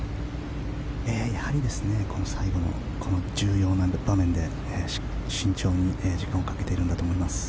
やはり最後のこの重要な場面で慎重に時間をかけているんだと思います。